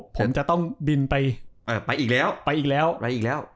ผมจะต้องบินไปเออไปอีกแล้วไปอีกแล้ว